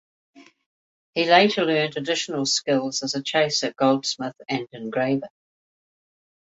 He later learnt additional skills as a chaser, goldsmith and engraver.